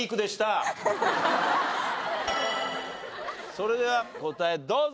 それでは答えどうぞ。